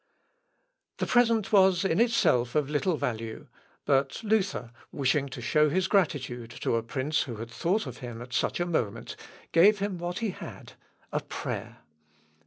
" The present was in itself of little value, but Luther, wishing to show his gratitude to a prince who had thought of him at such a moment, gave him what he had a prayer.